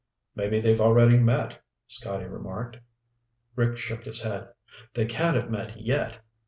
"Maybe they've already met," Scotty remarked. Rick shook his head. "They can't have met yet.